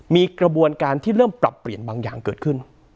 มีกระบวนการที่เริ่มปรับเปลี่ยนบางอย่างเกิดขึ้น